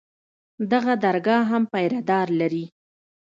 دغه درګاه هم پيره دار لري.